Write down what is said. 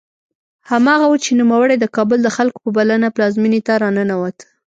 هماغه و چې نوموړی د کابل د خلکو په بلنه پلازمېنې ته راننوت.